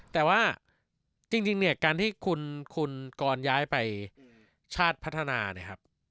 แต่ว่าจริงเนี่ยการที่คุณกรย้ายไปชาติพัฒนาเนี่ยครับ